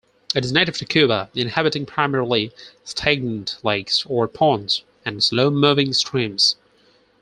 It is native to Cuba, inhabiting primarily stagnant lakes or ponds and slow-moving streams.